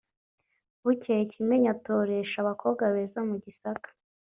Bukeye Kimenyi atoresha abakobwa beza mu Gisaka